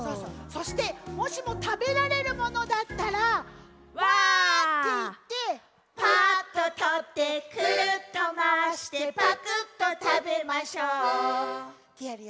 そしてもしもたべられるものだったら「ワァーオ」っていって「パッととってくるっとまわしてパクっとたべましょう」ってやるよ。